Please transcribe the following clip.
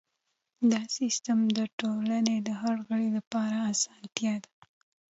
دا سیستم د ټولنې د هر غړي لپاره اسانتیا ده.